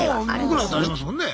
僕らだってありますもんね。